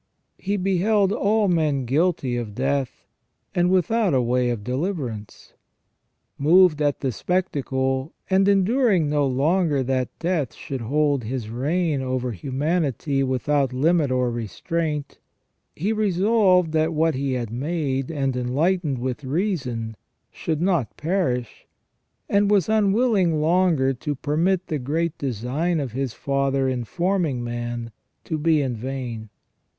He beheld all men guilty of death, and without a way of deliverance. Moved at the spectacle, and enduring no longer that Death should hold his reign over humanity without limit or restraint. He resolved that what He had made and enlightened with reason should not perish, and was unwilling longer to permit the great design of His Father in forming man to be in vain.